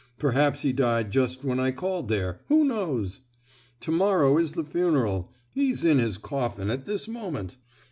Perhaps he died just when I called there—who knows? To morrow is the funeral! he's in his coffin at this moment!